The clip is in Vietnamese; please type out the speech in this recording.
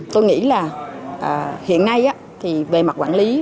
tôi nghĩ là hiện nay về mặt quản lý